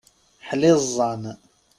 Ḥliẓẓan!